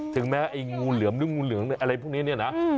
ถึงแม้ไอ้งูเหลืองอะไรพวกนี้เนี่ยนะ